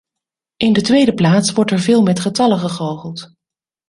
In de tweede plaats wordt er veel met getallen gegoocheld.